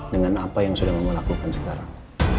dan apa yang sudah mama lakukan sekarang